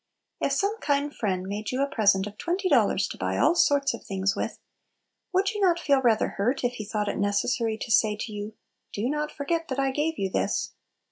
IF some kind friend made you a pres ent of twenty dollars to buy all sorts of things with, would you not feel rather hurt if he thought it necessary to say to you, "Do not forget that I gave you this